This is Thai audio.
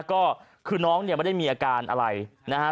ก็คือน้องเนี่ยไม่ได้มีอาการอะไรนะฮะ